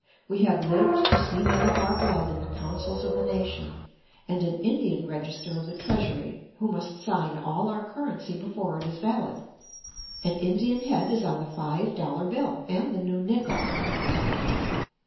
We have lived to see men of our blood in the councils of the nation, and an Indian Register of the Treasury, who must sign all our currency before it is valid. An Indian head is on the five dollar bill and the new nickel.